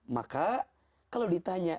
maka kalau ditanya